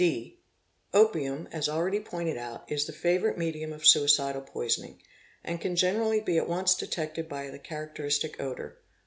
, (d) Opium "980 as already pointed out, is the favourite me dium of suicidal poisoning, and can generally be at once detected by the characteristic odour.